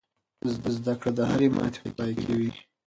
زده کړه د هرې ماتې په پای کې وي.